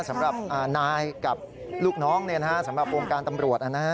สำหรับนายกับลูกน้องสำหรับวงการตำรวจ